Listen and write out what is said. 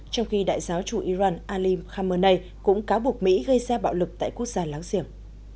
trong khi đại giáo chủ iran alim khamenei cũng cáo buộc mỹ gây ra bạo lực tại quốc gia láng giềng